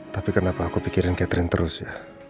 tapi kenapa aku pikirin catering terus ya